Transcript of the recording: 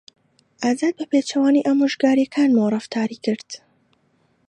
ئازاد بەپێچەوانەی ئامۆژگارییەکانمانەوە ڕەفتاری کرد.